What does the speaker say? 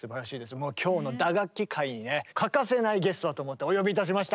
もう今日の「打楽器」回にね欠かせないゲストだと思ってお呼びいたしました。